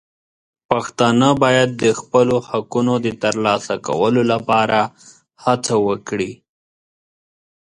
پښتانه باید د خپلو حقونو د ترلاسه کولو لپاره هڅه وکړي.